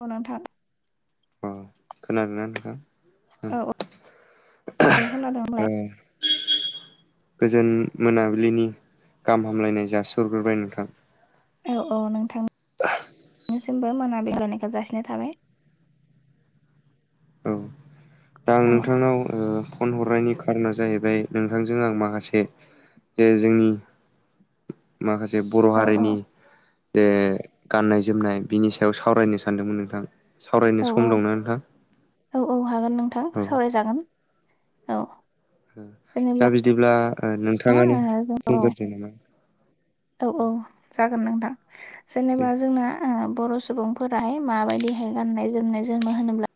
औ नोंथां। अ खोनादोंना नोंथां औ औ उम। औ खोनादों [unintelligible] औ गोजोन मोनाबिलिनि गाहाम हामलायनाय जासिहरग्रोबाय नोंथां। औ औ नोंथां। [unintelligible] नोंनिसिमबो मोनाबिलि [unintelligible] जासिनाय थाबाय। औ दा आं औ नोंथांनाव ओ फन हरनायनि खारना जाहैबाय नोंथांजों आं माखासे जे जोंनि माखासे बर' औ औ हारिनि। जे गाननाय-जोमनाय बिनि सायाव सावरायनो सानदोंमोन नोंथां सावरायनो सम दंना नोंथां? औ-औ हागोन नोंथां औ सावरायजागोन औ। जेनेबा दा बिदिब्ला ओ औ नोंथाङानो बुंगोरदो नामा। औ-औ औ जागोन नोंथां दे जेनेबा जोंना ओ बर' सु सुबुंफोराहाय माबायदिहाय गाननाय जोमनाय जोमो होनोब्ला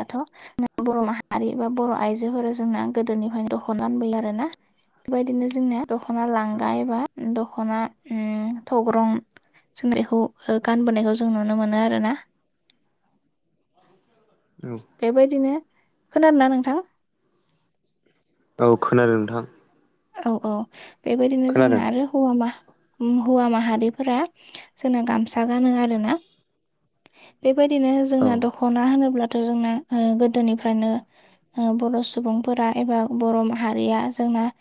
दाथ' बर' माहारि बा बर' आइजोफोरा जोंना गोदोनिफायनो [unintelligible] आरोना बेबायदिनो जोंनिया दख'ना लांगा एबा दख'ना उम थग्रं [unintelligible] गानबोनायखौ जों नुनो मोनो आरोना। औ बेबायदिनो खोनादोंना नोंथां? औ खोनादों नोंथां। औ औ बेबायदिनो खोनादों जोंना आरो हवा मा ओम हौवा माहारिफोरा जोंना गामसा गानो आरोना। बेबायदिनो औ जोंना दखना होनोब्लाथ' जोंना ओ गोदोनिफ्रायनो बर' सुबुंफोरा एबा बर' माहारिया जोंना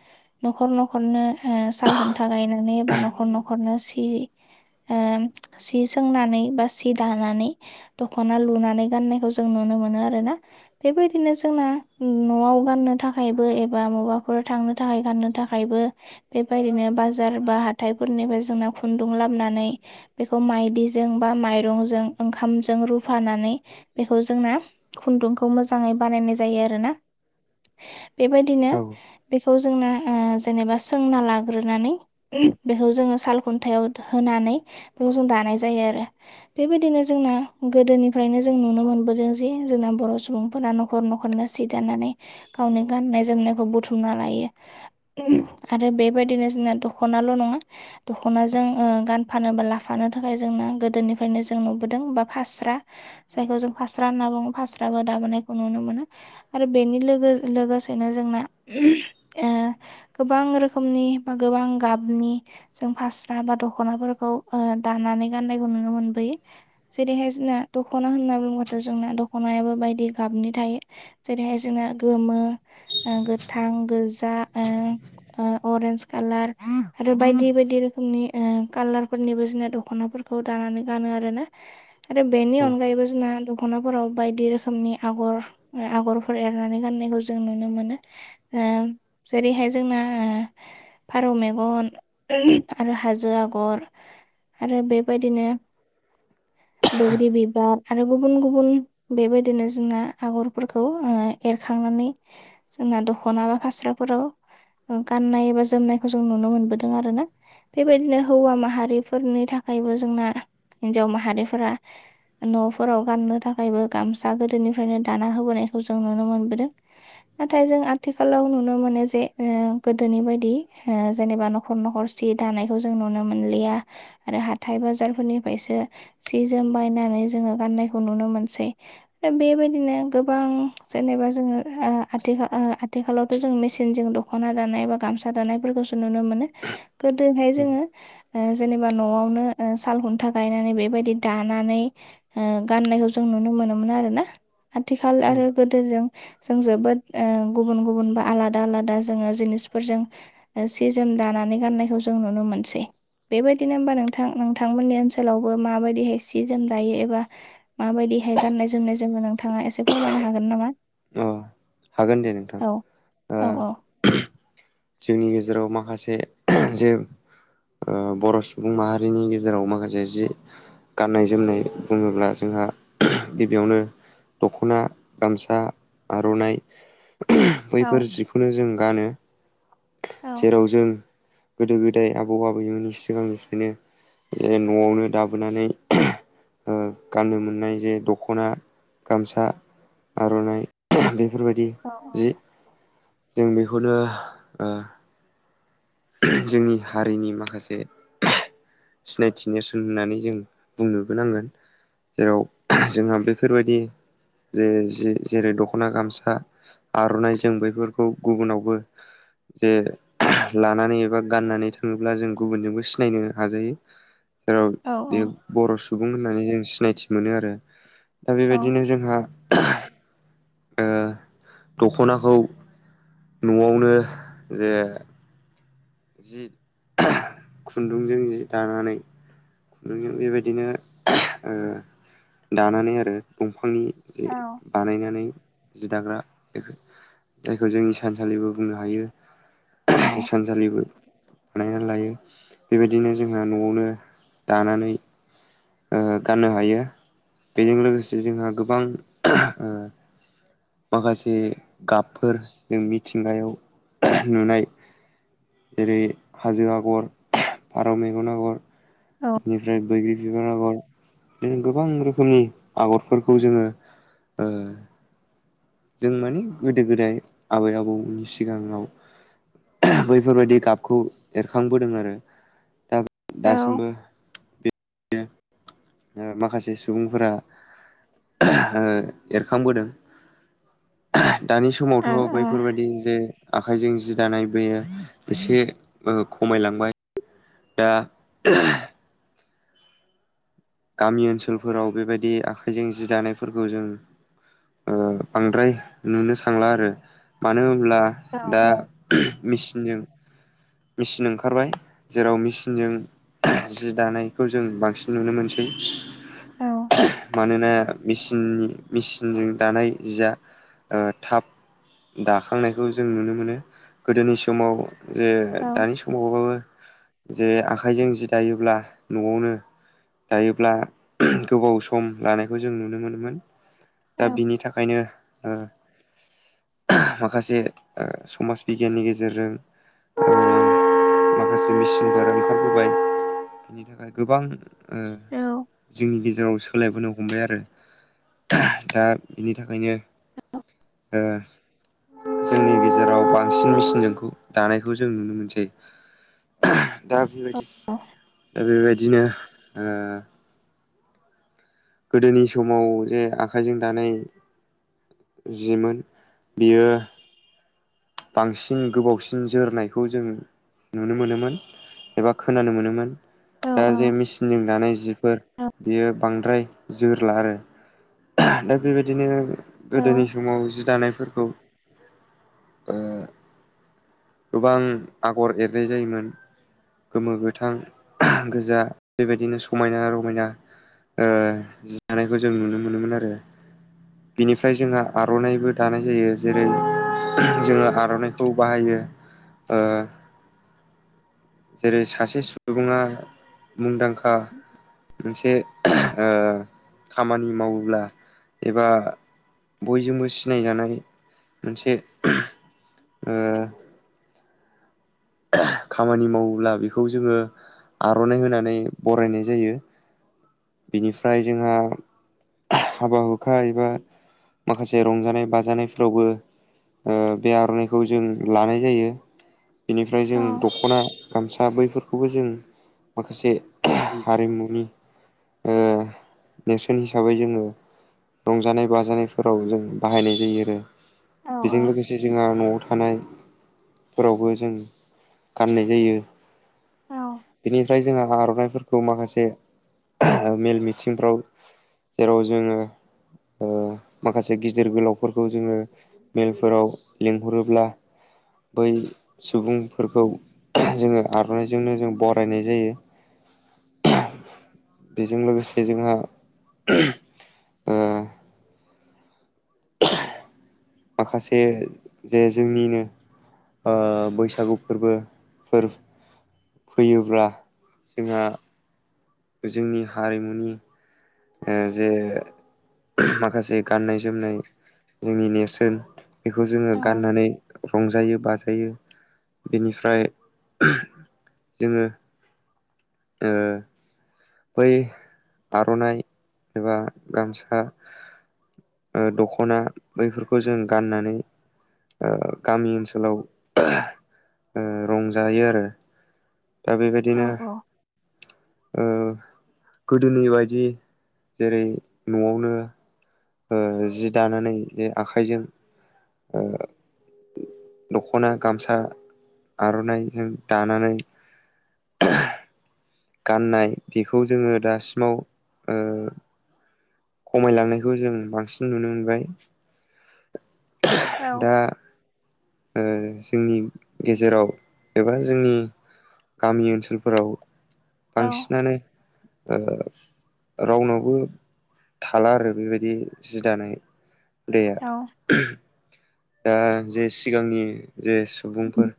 न'खर न'खरनो ओ साल खुन्था गायनानै बा न'खर न'खरनो सि ओ सि सोंनानै बा सि दानानै दख'ना लुनानै गाननायखौ जों नुनो मोनो आरोना। बेबायदिनो जोंना न'आव गाननो थाखायबो एबा मबाफोर थांनो थाखाय गाननो थाखायबो बेबायदिनो बाजार बा हाथाइफोरनिफाय जोंना खुन्दुं लाबनानै बेखौ माइदिजों बा माइरंजों ओंखामजों रुफानानै बेखौ जोंना खुन्दुंखौ मोजाङै बानायनाय जायो आरोना बेबायदिनो बेखौ जोंना ओ जेनेबा सोंना लाग्रोनानै बेखौ जोङो साल खुन्थायाइाव होनानै बेखौ जों दानाय जायो आरो। बेबायदिनो जोंना गोदोनिफ्रायनो जों नुनो मोनबोदों जे जोंना बर' सुबुंफोरा नख न'खर न'खरनो सिदानानै गावनो गान्नाय जोमनायखौ बुथुमना लायो। आरो बेबायदिनो जोंना दख'नाल' नङा दख'नाजों ओ गानफानो बा लाफानो थाखाय जोंना गोदोनिफ्रायनो जों नुबोदों बा फास्रा जायखौ जों फास्रा होनना बुङो फास्राबो दाबोनायखौ नुनो मोनो। आरो बेनि लोगो लोगोसेनो जोंना ओ गोबां रोखोमनि बा गोबां गाबनि जों फास्रा बा दख'नाफोरखौ ओ दानानै गाननायखौ नुनो मोनबोयो। जेरैहाय जोंना दख'ना होनना बुंबाथ' जोंना दख'नायाबो बायदि गाबनि थायो। जेरैहाय जोंना गोमो ओ गोथां गोजा ओ ओ अरेन्ज कालार आरो बायदि बायदि रोखोमनि ओ कालारफोरनिबो जोंना दखनाफोर खौ दानानै गानो आरो ना आरो बेनि औ अनगायैबो जोंना दख'नाफोराव बायदि रोखोमनि आगर ओ आग'रफोर एरनानै गाननायखौ जों नुनो मोनो। ओ जेरैहाय जोंना फारौ मेगन आरो हाजो आगर आरो बेबायदिनो बैग्रि बिबार आरो गुबुन गुबुन बेबायदिनो जोंना आगरफोरखौ एरखांनानै जोंना दख'नााबा फास्र फोराव गाननाय एबा जोमनायखौ जों नुनो मोनबोदों आरो ना बेबायदिनो हौवा माहारिफोरनि थाखायबो जोंना हिन्जाव माहारिफोरा न'फोराव गाननो थाखायबो गामसा गोदोनिफ्रायनो दाना होबोनायखौ जों नुनो मोनबोदों नाथाय जों आथिखालाव नु नुनो मोनो जे गोदोनि बायदि जेनेबा न'खर न'खर सि दानायखौ जों नुनो मोनलिया आरो हाथाय बाजारफोरनिफायसो सि जोम बायनानै जोङो गाननायखौ नुनो मोनसै। दा बेबायदिनो गोबां जेनेबा जोङो ओ आथिखाल ओ आथिखालाव जों मेसिनजों दख'ना दानाय बा गामसा दानायफोरखौसो नुनो मोनो गोदोहाय औ जोङो ओ जेनेबा न'आवनो ओ साल खुन्था गायनानै बेबायदि दानानै ओ गाननायखौ जों नुनो मोनोमोन आरोना। आथिखाल औ आरो गोदोजों जों जोबोद ओ गुबुन गुबुन बा आलादा आलादा जोङो जिनिसफोरजों सि जोम दानानै गाननायखौ जों नुनो मोनसै। बेबायदिनो होमबा नोंथां नोंथांमोननि ओनसोलावबो माबायदिहाय सि जोम लायो एबा माबायदिहाय गाननाय जोमनाय जेबो नोंथाङा एसे फोरमायनो हागोन नामा? अ हागोन दे नोंथां। औ ओ औ औ। जोंनि गेजेराव माखासे जे। ओ बर' सुबुं माहारिनि गेजेराव माखासे जि। गाननाय जोमनाय बुङोब्ला जोंहा गिबियावनो। दख'ना गामसा आर'नाइ औ बैफोर जिखौनो जों गानो। औ जेराव जों गोदो गोदाय आबौ आबैमोननि सिगांनिफ्रायनो। जे न'आवनो दाबोनानै ओ गाननो मोननाय जे दख'ना। गामसा आर'नाइ। बेफोरबायदि जि जों बेखौनो ओ। जोंनि हारिनि माखासे। सिनायथि नेरसोन होननानै जों बुंनोबोनांगोन। जेराव जोंहा बेफोरबायदि। जे जि जेरै दख'ना गामसा आर'नाइ जों बेफोरखौ गुबुनावबो। जे। लानानै एबा गाननानै थाङोब्ला जों गुबुनजोंबो सिनायनो हाजायो जेराव औ बेयो। बर' सुबुं होननानै जों सिनायथि मोनो आरो दा औ बेबायदिनो जोंहा। ओ दख'नाखौ। न'आवनो जे। जि खुन्दुंजों जि दानानै। रुपयों बेबायदिनो। दानानै आरो दंफांनि बानायनानै जि दाग्रा बे। जायखौ जोंनि हिसानसालिबो बुंनो हायो औ सानसालिबो। बानायनानै लायो बेबायदिनो जोंहा न'आवनो दानानै। ओ गाननो हायो बेजों लोगोसे जोंहा गोबां ओ। माखासे गाबफोर जों मिथिंगायाव नुनाय। जेरै हाजो आगर फारौ मेगन आगर। औ। बेनिफ्राय बैग्रि बिबार आगर बिदिनो गोबां रोखोमनि आगरफोरखौ जोङो। ओ। जों मानि गोदो गोदाय आबै आबौनि सिगाङाव। बैफोरबायाददि गाबखौ एरखांबोदों आरो दा दासिमबो। ओ माखासे सुबुंफोरा। ओ एरखांबोदों। दानि समावथ' बैफोरबायाददि जे। आखाइजों जि दानाय बेयो एसे ओ खमायलांबाय। दा। गामि ओनसोलफोराव बेबायदि आखाइजों जि दानायफोरखौ जों। ओ बांद्राय नुनो सांला आरो मानो होनब्ला दा। मिसिनजों मेचिन ओंखारबाय जेराव मेचिनजों। जि दानायखौ जों बांसिन नुनो मोनसै। मानोना मेसिननि मेचिनजों दानाय जिया। ओ थाब दाखांनायखौ जों नुनो मोनो गोदोनि समाव। जे दानि समावबाबो जे आखाइजों जि दायोब्ला न'आवनो। दायोब्ला गोबाव सम लानायखौ जों नुनो मोनोमोन। औ दा बिनि थाखायनो ओ। माखासे ओ समाज बिगियाननि गेजेरजों। माखासे मेचिनफोर ओंखारबोबाय बिनि थाखाय गोबां। [inaudible] ओ जोंनि गेजेराव। सोलायबोनो हमबाय आरो दा बेनि थाखायनो ए जोंनि गेजेराव बांसिन मेचिनजोंखौ दानायखौ जों नुनो मोनसै दा बेबायदि दा बेबायदिनो गोदोनि समाव जे आखाइजों दानाय जिमोन बियो बांसिन गोबावसिन जोरनायखौ जोङो नुनो मोनोमोन एबा खोनानो मोनोमोन दा जे मेचिनजों दानाय जिफोर बेयो बांद्राय जोरला आरो दा बेबायदिनो गोदोनि समाव जि दानायफोरखौ ओ गोबां आगर एरनाय जायोमोन गोमो गोथां गोजा बेबायदिनो समायना रमायना जानायखौ जों नुनो मोनोमोन आरो बिनिफ्राय जोंहा आर'नाइबो दानाय जायो जेरै जोङो आर'नाइखौ बाहायो ओ जेरै सासे सुबुङा मुंदांखा मोनसे खामानि मावोब्ला एबा बयजोंबो सिनायजानाय मोनसे खामानि मावोब्ला बेखौ जोङो आर'नाइ होनानै बरायनाय जायो बिनिफ्राय जोंहा हाबा हुखा एबा माखासे माखासे रंजानाय बाजानायफ्रावबो बे आर'नाइखौ जों लानाय जायो बेनिफ्राय जों दख'ना गामसा बैफोरखौबो जों माखासे उ हारिमुनि नेरसोन हिसाबै जोङो रंजानाय बाजानायफोराव जों बाहायनाय जायो आरो बेजों लोगोसे जोंहा न'आव थानायफोरावबो ज जों गाननाय जायो बिनिफ्राय जोंहा आर'नाइफोरखौ माखासे मेल मिथिंफ्राव जेराव जोङो माखासे गिदिर गोलावफोरखौ जोङो मेलफोराव लिंहरोब्ला बै सुबुंफोरखौ जोङो आर'नाइजोंनो जों बरायनाय जायो बेजों लोगोसे जोंहा ओ माखासे जे जोंनिनो बैसागु ओ फोरबोफोर फैयोब्ला जोंहा जोंनि हारिमुनि ओ जे माखासे गाननाय जोमनाय जोंनि नेरसोन बेखौ जोङो गाननानै रंजायो बाजायो बेनिफ्राय जोङो ओ बै आर'नाइ एबा गामसा दख'ना बैफोरखौ जों गाननानै गामि ओनसोलाव रंजायो आरो दा औ बेबायदिनो औ गोदोनि बायदि जेरै न'आवनो जि दानानै जे आखाइजों दख'ना गामसा। आर'नाइ जों दानानै गाननाय बेखौ जोङो दासिमाव ओ खमायलांनायखौ जों बांसिन नुनो मोनबाय औ दा ओ जोंनि गेजेराव एबा जोंनि गामि ओनसोलफोराव औ बांसिनानो ओ रावनावबो थाला आरो बेबायदि जि दानाय बे औ दा जे सिगांनि जे सुबुंफोर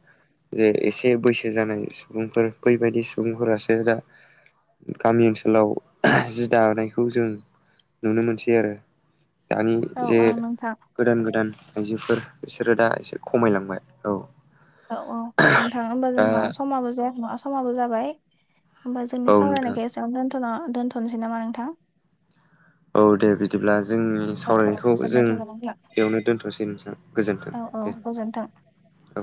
जे एसे बैसो जानाय सुबुंफोर बैबायदि सुबुंफोरासो दा गामि ओनसोलाव जि दानायखौ जों नुनो मोनसै आरो दानि औ जे औ नोंथां गोदान गोदान आइजोफोर बिसोरो दाजो खमायलांबाय औ औ औ नों थाङनो होनबा दा जोंहा समाबो जायाखै नङा समाबो जाबाय होमबा जोंनि औ नोंथां सावरायनायखौ एसेयावनो दोन्थ'ना दोनथ'नोसै नामा नोंथां औ दे बिदिब्ला जोंनि औ औ सावरायनायखौ जों गोजोननाय थाबाय नोंथां बेयावनो दोनथ'सै नोंसां गोजोन्थों औ औ दे गोजोन्थों औ।